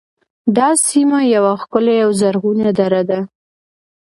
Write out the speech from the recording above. دا سیمه یوه ښکلې او زرغونه دره ده